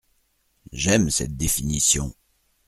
J’aime cette définition…